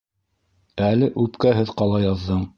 Әле үпкәһеҙ ҡала яҙҙың...